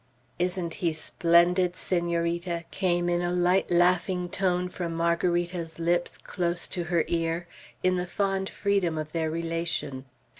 "Isn't he splendid, Senorita?" came in a light laughing tone from Margarita's lips close to her ear, in the fond freedom of their relation.